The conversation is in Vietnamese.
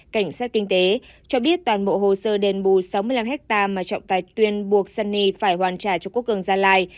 cảnh sát kinh tế cho biết toàn bộ hồ sơ đền bù sáu mươi năm hectare mà trọng tài tuyên buộc sunny phải hoàn trả cho quốc cường gia lai